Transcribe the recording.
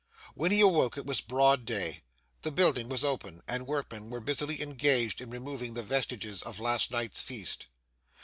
When he awoke it was broad day; the building was open, and workmen were busily engaged in removing the vestiges of last night's feast.